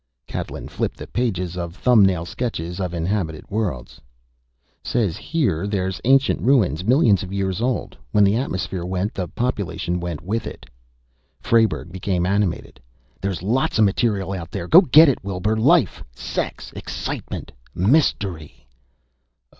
Catlin flipped the pages of Thumbnail Sketches of the Inhabited Worlds. "Says here there's ancient ruins millions of years old. When the atmosphere went, the population went with it." Frayberg became animated. "There's lots of material out there! Go get it, Wilbur! Life! Sex! Excitement! Mystery!"